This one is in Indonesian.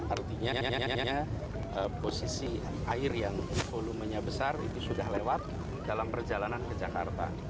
artinya posisi air yang volumenya besar itu sudah lewat dalam perjalanan ke jakarta